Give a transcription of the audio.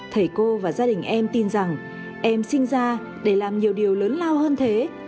thầy cô và gia đình em tin rằng em sinh ra để làm nhiều điều lớn lao hơn thế